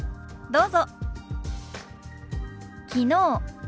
どうぞ。